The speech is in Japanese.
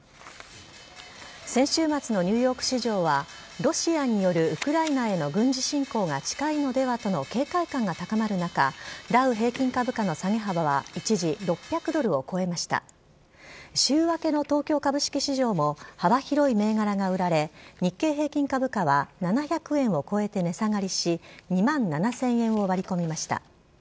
先週末のニューヨーク市場はロシアによるウクライナへの軍事侵攻が近いのではとの警戒感が高まる中、ダウ平均株価の下げ幅は一時６００ドルを超えました週明けの東京株式市場も幅広い銘柄が売られ、日経平均株価は７００円を超えて値下がりし、２万７０００円を割り込みました。